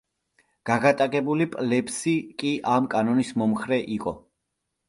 გაღატაკებული პლებსი კი ამ კანონის მომხრე იყო.